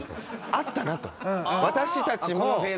あったなと。